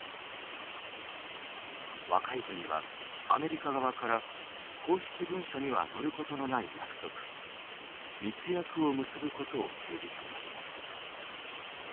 若泉はアメリカ側から公式文書には載ることのない約束密約を結ぶことを提示されました。